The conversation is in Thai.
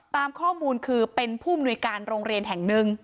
ตามข้อมูลคือเป็นผู้มนุยการโรงเรียนแห่งหนึ่ง